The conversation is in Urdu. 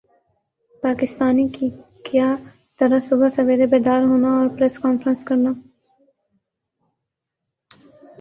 پاکستانی کَیا طرح صبح سویرے بیدار ہونا اور پریس کانفرنس کرنا